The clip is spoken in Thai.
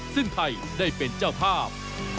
ซึ่งไทยได้เป็นเจ้าภาพ